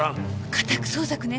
家宅捜索ね